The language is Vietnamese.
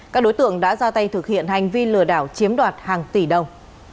các đối tượng đã ra tay thực hiện hành vi lừa đảo chiếm đoạt hàng tỷ đồng